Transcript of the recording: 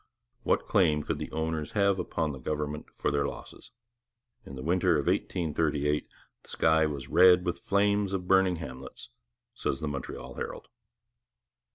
What claim could the owners have upon the government for their losses? In the winter of 1838 the sky was red with the flames of burning hamlets, says the Montreal Herald.